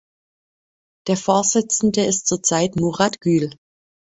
Der Vorsitzende ist zur Zeit Murat Gül.